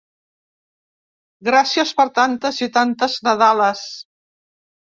Gràcies per tantes i tantes nadales!